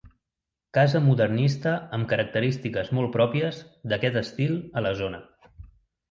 Casa modernista amb característiques molt pròpies d'aquest estil a la zona.